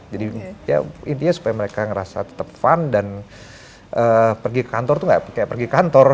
jadi ya intinya supaya mereka ngerasa tetap fun dan pergi ke kantor tuh gak kayak pergi kantor